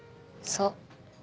そう。